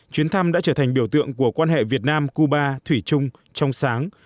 chuyến thăm đã trở thành biểu tượng của quan hệ việt nam cuba thủy chung trong sáng